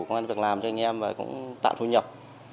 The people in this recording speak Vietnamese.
công an việc làm cho anh em và cũng tạm thu nhập